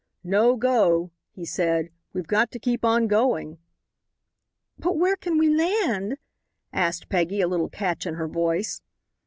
"No go," he said; "we've got to keep on going." "But where can we land?" asked Peggy, a little catch in her voice.